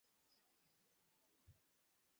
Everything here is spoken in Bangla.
মেয়েটাকে দেখতে পাচ্ছ ছবিতে?